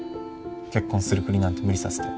結婚するふりなんて無理させて。